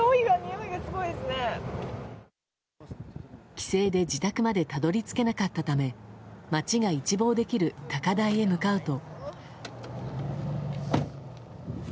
規制で自宅までたどり着けなかったため街が一望できる高台へ向かうと。